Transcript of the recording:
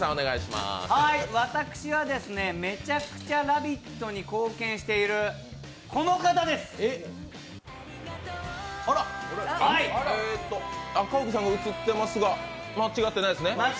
私は、めちゃくちゃ「ラヴィット！」に貢献している赤荻さんが映っていますが、間違ってないです。